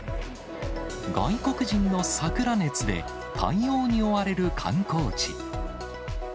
外国人の桜熱で、対応に追われる観光地。